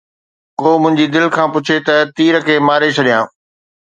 ڪو منهنجي دل کان پڇي ته تير کي ماري ڇڏيان